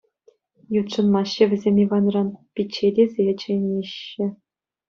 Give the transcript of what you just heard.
Ютшӑнмаҫҫӗ вӗсем Иванран, пичче тесе чӗҫҫӗ.